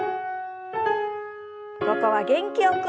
ここは元気よく。